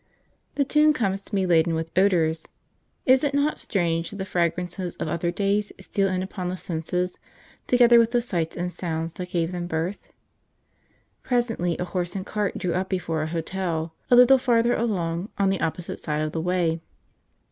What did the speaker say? The tune comes to me laden with odours. Is it not strange that the fragrances of other days steal in upon the senses together with the sights and sounds that gave them birth? Presently a horse and cart drew up before an hotel, a little further along, on the opposite side of the way.